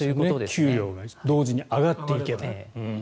給与が同時に上がっていけば。